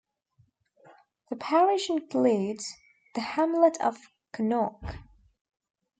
The parish includes the hamlet of Conock.